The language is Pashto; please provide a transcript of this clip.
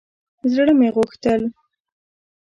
زړه مې غوښتل